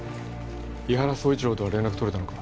伊原総一郎とは連絡取れたのか？